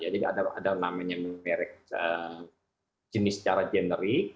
jadi ada namanya merek jenis secara generik